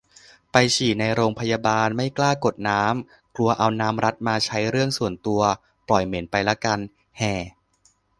ไปฉี่ในโรงพยาบาล ไม่กล้ากดน้ำ กลัวเอาน้ำรัฐมาใช้เรื่องส่วนตัว ปล่อยเหม็นไปละกัน แฮ่